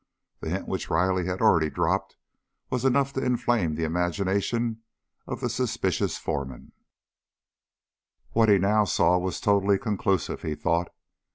The hint which Riley had already dropped was enough to inflame the imagination of the suspicious foreman; what he now saw was totally conclusive, he thought.